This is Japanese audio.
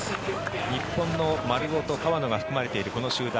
日本の丸尾と川野が含まれているこの集団。